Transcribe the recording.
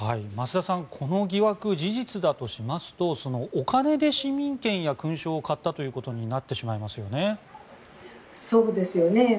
増田さんこの疑惑、事実だとしますとお金で市民権や勲章を買ったということになってしまいますよね。